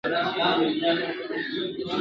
نه ژغورلو ته دوستان مي سوای راتللای !.